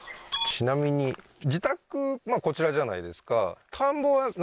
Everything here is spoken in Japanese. ちなみに自宅まあこちらじゃないですか？